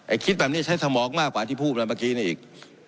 คิดแบบนี้ใช้สมองมากกว่าที่พูดมาเมื่อกี้นี่อีก